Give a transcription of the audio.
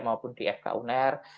maupun di fk unr